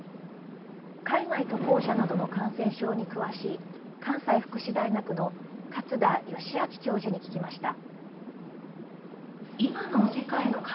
海外渡航者などの感染症に詳しい関西福祉大学の勝田義彰教授に聞きました。